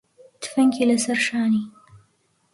تفەنگی لەسەر شانی